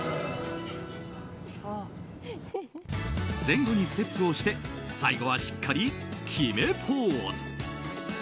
前後にステップをして最後はしっかり決めポーズ。